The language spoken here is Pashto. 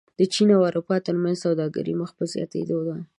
د چین او اروپا ترمنځ سوداګري مخ په زیاتېدو ده.